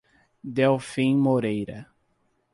Delfim Moreira